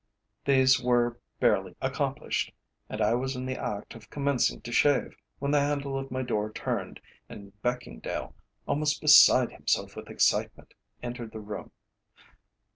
These were barely accomplished, and I was in the act of commencing to shave, when the handle of my door turned, and Beckingdale, almost beside himself with excitement, entered the room.